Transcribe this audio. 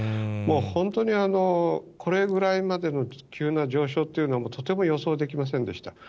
もう本当にこれぐらいまでの急な上昇っていうのは、とても予想できませんでした。